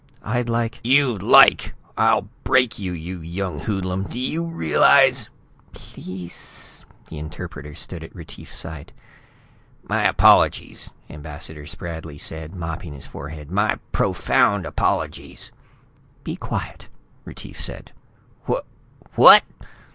"I'd like " "You'd like! I'll break you, you young hoodlum! Do you realize " "Pleass...." The interpreter stood at Retief's side. "My apologies," Ambassador Spradley said, mopping his forehead. "My profound apologies." "Be quiet," Retief said. "Wha what?"